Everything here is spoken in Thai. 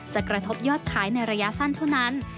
กระทบยอดขายในระยะสั้นเท่านั้น